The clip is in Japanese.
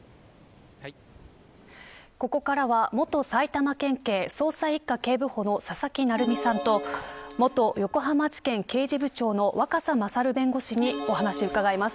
ここからは元埼玉県警捜査一課警部補の佐々木成三さんと元横浜地検刑事部長の若狭勝弁護士にお話を伺います。